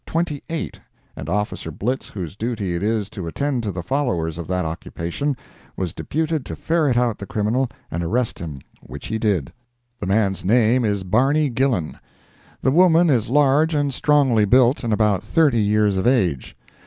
28, and officer Blitz, whose duty it is to attend to the followers of that occupation, was deputed to ferret out the criminal and arrest him, which he did. The man's name is Barney Gillan. The woman is large and strongly built, and about thirty years of age.